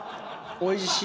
おいしい！